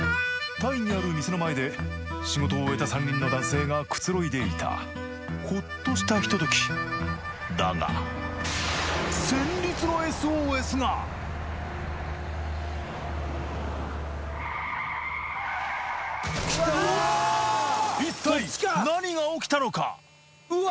タイにある店の前で仕事を終えた３人の男性がくつろいでいたほっとしたひとときだが一体何が起きたのか！？